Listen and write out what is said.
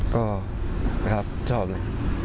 ก็ครับชอบนะ